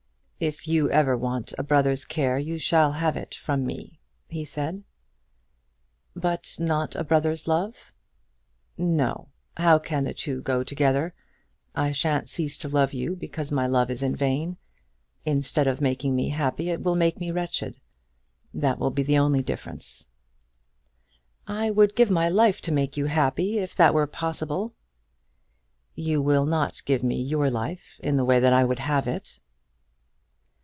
"If you ever want a brother's care you shall have it from me," he said. "But not a brother's love?" "No. How can the two go together? I shan't cease to love you because my love is in vain. Instead of making me happy it will make me wretched. That will be the only difference." "I would give my life to make you happy, if that were possible." "You will not give me your life in the way that I would have it."